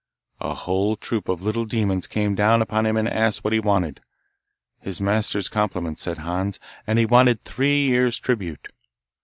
A whole troop of little demons came down upon him and asked what he wanted. His master's compliments, said Hans, and he wanted three years' tribute.